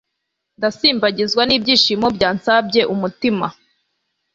ndasimbagizwa n'ibyishimo byansabye umutima